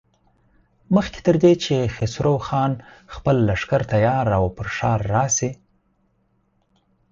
مخکې تر دې چې خسرو خان خپل لښکر تيار او پر ښار راشي.